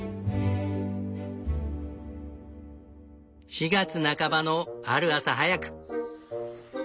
４月半ばのある朝早く。